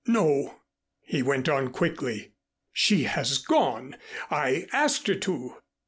"No," he went on quickly. "She has gone. I asked her to.